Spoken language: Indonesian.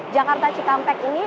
jakarta cikampek ini